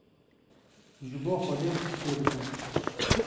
ji bo Xwedê çê dikim.